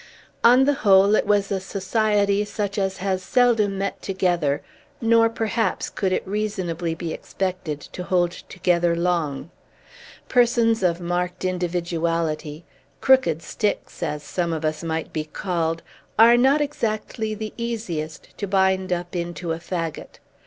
On the whole, it was a society such as has seldom met together; nor, perhaps, could it reasonably be expected to hold together long. Persons of marked individuality crooked sticks, as some of us might be called are not exactly the easiest to bind up into a fagot.